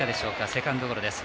セカンドゴロです。